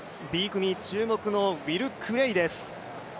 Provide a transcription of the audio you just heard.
Ｂ組注目のウィル・クレイです。